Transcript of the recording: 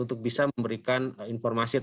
untuk bisa memberikan informasi